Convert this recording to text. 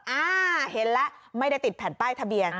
อ่าเห็นแล้วไม่ได้ติดแผ่นป้ายทะเบียน